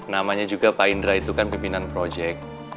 namanya juga pak indra itu kan pimpinan proyek